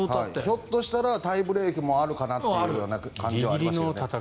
ひょっとしたらタイブレークもあるかなという感じはありました。